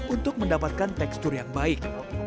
untuk mendapatkan tekstur yang baik